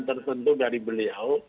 tertentu dari beliau